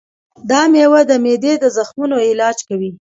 دا مېوه د معدې د زخمونو علاج کوي.